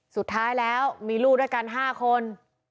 สุดท้ายแล้วมีลูกด้วยกัน๕คน